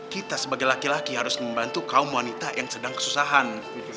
kita sebagai laki laki harus membantu kaum wanita yang sedang kesusahan